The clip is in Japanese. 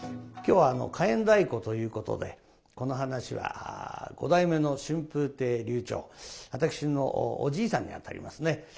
今日は「火焔太鼓」ということでこの噺は五代目の春風亭柳朝私のおじいさんにあたりますね。